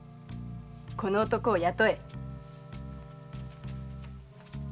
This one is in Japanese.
この男を雇え。